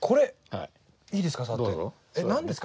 いいですか？